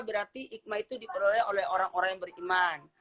berarti hikmah itu diperoleh oleh orang orang yang beriman